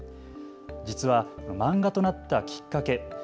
実は漫画となったきっかけ